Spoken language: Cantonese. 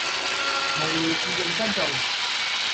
無聊事認真做